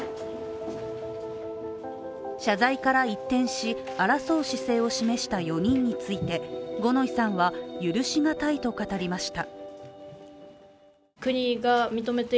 謝罪から一転し、争う姿勢を示した４人について五ノ井さんは許しがたいと語りました。